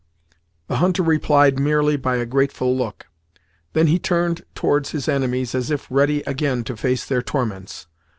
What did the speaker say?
The hunter replied merely by a grateful look. Then he turned towards his enemies, as if ready again to face their torments.